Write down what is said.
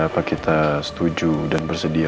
apa kita setuju dan bersedia